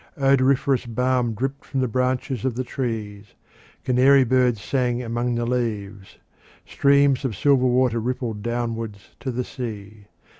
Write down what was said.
Odoriferous balm dripped from the branches of the trees; canary birds sang among the leaves; streams of silver water rippled downwards to the sea.